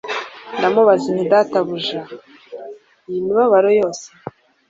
Ndamubaza nti Databuja iyi mibabaro yose